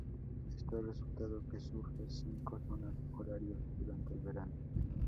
Esto ha resultado que surjan cinco zonas horarios durante el verano.